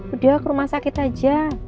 udah ke rumah sakit aja